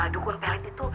dukun pelet itu